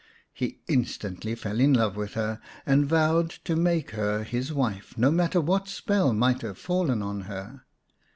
He instantly fell in love with her, and vowed to make her his wife, no matter what spell might have fallen on her.